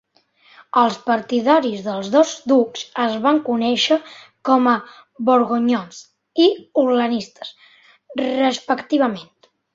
Els partidaris dels dos ducs es van conèixer com a "borgonyons" i "orleanistes", respectivament.